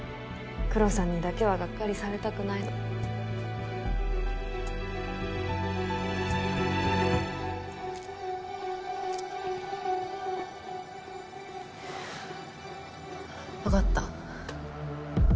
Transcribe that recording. クロさんにだけはがっかりされたくないの。わかった。